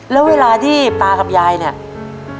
แล้วเวลาที่ตากับยายเนี่ย